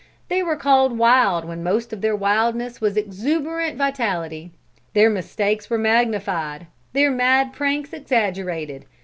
They were called wild when most of their wildness was exuberant vitality; their mistakes were magnified, their mad pranks exaggerated.